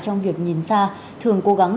trong việc nhìn xa thường cố gắng